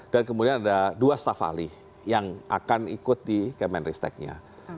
dan kemudian ada dua stafali yang akan ikut di kemenristek nya